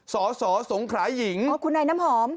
สอสอสงขราหญิงอ๋อคุณนายน้ำหอม